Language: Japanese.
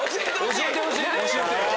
教えてほしいね。